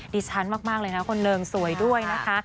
ดิฉันมากเลยนะคนเริงสวยด้วยนะคะ